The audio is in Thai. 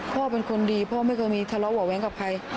พ่อเป็นคนดีพ่อไม่เคยมีทะเลาะเบาะแว้งกับใคร